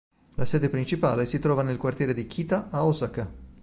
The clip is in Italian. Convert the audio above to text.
La sede principale si trova nel quartiere di Kita a Osaka.